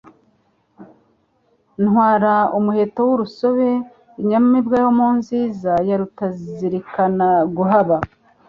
Ntwara umuheto w'urusobe..Inyamibwa yo mu nziza, ya rutazilikana guhaba,